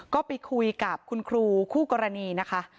ก็ไปคุยกับคุณครูคู่กรณีนะคะ